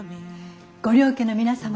ご両家の皆様